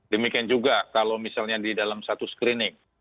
demikian juga kalau misalnya di dalam satu screening